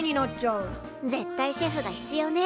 絶対シェフが必要ね。